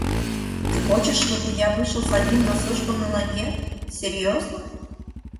Ты хочешь, чтобы я вышел с одним носком на ноге? Серьёзно?